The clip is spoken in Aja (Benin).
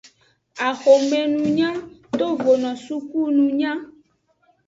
Axomenunya tovono sukununya.